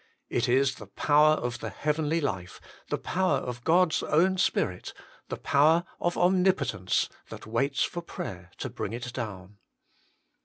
It is the power of the heavenly life, the power of God s own Spirit, the power of Omnipotence, that waits for prayer to bring it down.